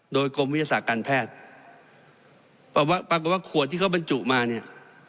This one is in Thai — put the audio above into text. โดยกรมวิทยาศาสตร์การแพทย์ปรากฏว่าขวดที่เขาบรรจุมาเนี่ย